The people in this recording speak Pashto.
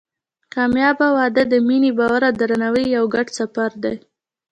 کامیابه واده د مینې، باور او درناوي یو ګډ سفر دی.